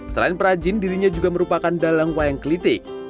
selain perajin dirinya juga merupakan dalang wayang kelitik